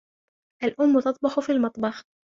الأم تطبخ في المطبخ.